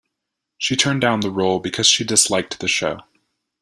She turned down the role because she disliked the show.